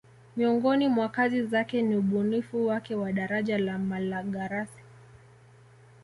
Miongoni mwa kazi zake ni ubunifu wake wa daraja la Malagarasi